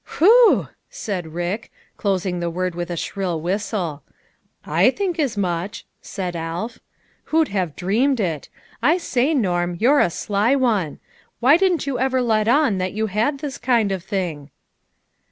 " Whew !" said Rick, closing the word with a shrill whistle ;" I think as much !" said Alf. " Who'd have dreamed it. I say, Norm, you're a sly one ; why didn't you ever let on that you had this kind of thing